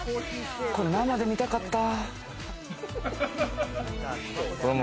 これ生で見たかった。